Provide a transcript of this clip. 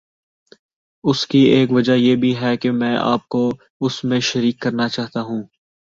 اس کی ایک وجہ یہ بھی ہے کہ میں آپ کو اس میں شریک کرنا چاہتا ہوں۔